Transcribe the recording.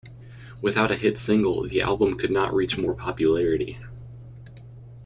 Without a hit single, the album could not reach more popularity.